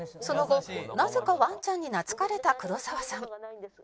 「その後なぜかワンちゃんに懐かれた黒沢さん」